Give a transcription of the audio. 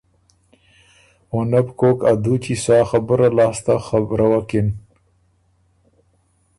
او نۀ بو کوک ا دُوچي سا خبُره لاسته خبروکِن